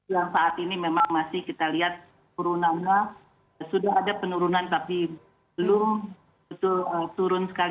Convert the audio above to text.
yang saat ini memang masih kita lihat turunannya sudah ada penurunan tapi belum turun sekali